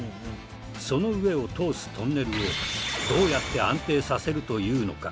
その上を通すトンネルをどうやって安定させるというのか？